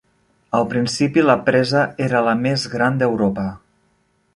Al principi, la presa era la més gran d'Europa.